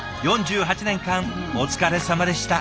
４８年間お疲れさまでした。